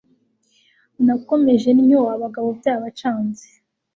nakomeje ntyo abagabo byabacanze